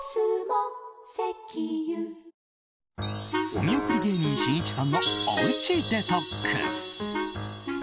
お見送り芸人しんいちさんのおうちデトックス。